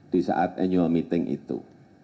di saat annual meeting itu